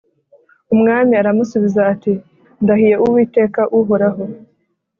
Umwami aramusubiza ati “Ndahiye Uwiteka uhoraho”